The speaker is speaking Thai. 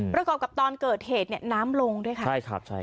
ประกอบกับตอนเกิดเหตุเนี่ยน้ำลงด้วยค่ะใช่ครับใช่ครับ